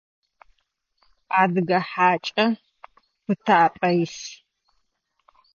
Адыгэ хьакӏэ пытапӏэ ис.